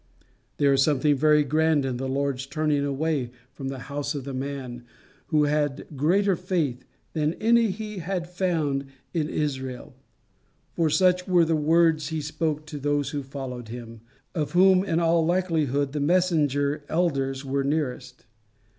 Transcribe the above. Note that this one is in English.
There is something very grand in the Lord's turning away from the house of the man who had greater faith than any he had found in Israel; for such were the words he spoke to those who followed him, of whom in all likelihood the messenger elders were nearest.